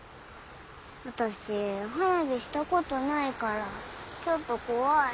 私花火したことないからちょっと怖い。